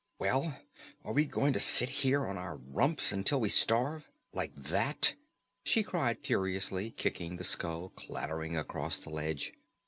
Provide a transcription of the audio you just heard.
"Well, are we going to sit here on our rumps until we starve, like that?" she cried furiously, kicking the skull clattering across the ledge.